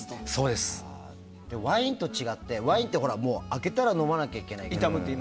ワインと違ってワインは開けたら飲まないといけないって。